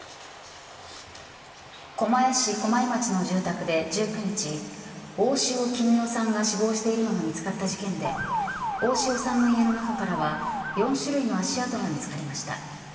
狛江市駒井町の住宅で１９日大塩衣与さんが死亡しているのが見つかった事件で大塩さんの家の中からは４種類の足跡が見つかりました。